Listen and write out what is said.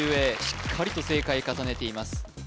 しっかりと正解重ねています